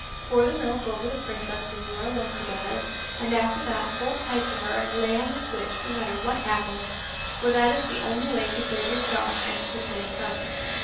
Pour the milk over the princess when you are alone together, and after that hold tight to her and lay on the switch, no matter what happens, for that is the only way to save yourself and to save her."